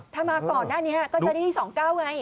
ถ้ามาก่อนหน้านี้ก็จะได้๒๙ไง